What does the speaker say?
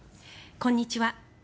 こんにちは。